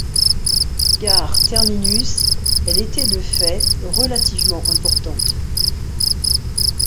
Gare terminus, elle était de fait relativement importante.